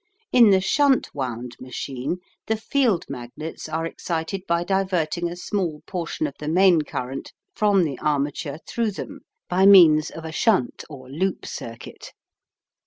In the "shunt wound" machine the field magnets are excited by diverting a small portion of the main current from the armature through them, by means of a "shunt" or loop circuit.